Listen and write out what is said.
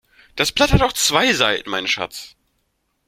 Das Blatt hat doch zwei Seiten, mein Schatz.